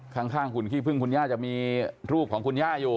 ข้างหุ่นขี้พึ่งคุณย่าจะมีรูปของคุณย่าอยู่